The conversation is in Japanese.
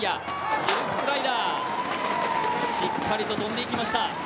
シルクスライダー、しっかりと跳んでいきました。